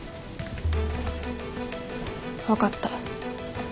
分かった。